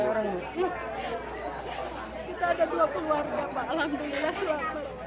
kita ada dua puluh warga pak alhamdulillah